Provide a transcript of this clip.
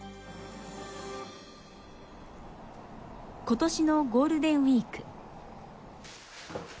今年のゴールデンウィーク。